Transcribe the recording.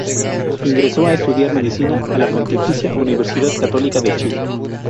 Ingresó a estudiar medicina a la Pontificia Universidad Católica de Chile.